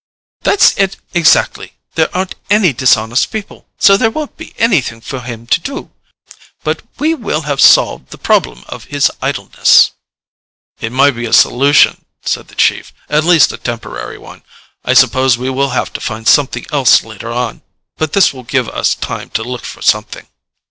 "That's it, exactly. There aren't any dishonest people, so there won't be anything for him to do. But we will have solved the problem of his idleness." "It might be a solution," said the Chief. "At least, a temporary one. I suppose we will have to find something else later on. But this will give us time to look for something."